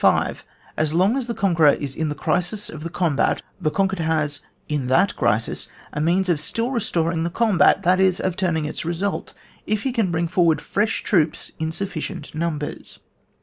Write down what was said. As long as the conqueror is in the crisis of the combat, the conquered has in that crisis a means of still restoring the combat, that is, of turning its result, if he can bring forward fresh troops in sufficient numbers.